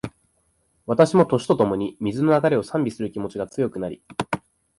私も、年とともに、水の流れを賛美する気持ちが強くなり